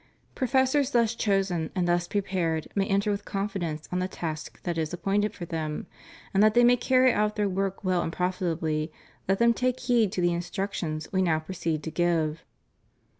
Professors thus chosen and thus prepared may enter with confidence on the task that is appoiuted for them; and that they may carry out their work well and profitably, let them take heed to the instructions We now proceed to give.